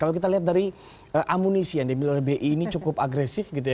kalau kita lihat dari amunisi yang dimiliki oleh bi ini cukup agresif gitu ya